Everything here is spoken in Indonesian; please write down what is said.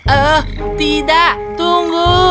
oh tidak tunggu